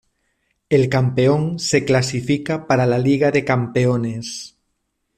El campeón se clasifica para la Liga de Campeones.